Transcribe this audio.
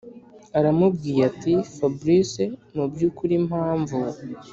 aramubwiye ati”fabric mubyukuri impamvu